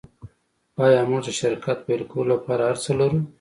خو ایا موږ د شرکت پیل کولو لپاره هرڅه لرو